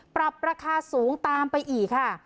ปรับราคาสูงตามไปอีกค่ะ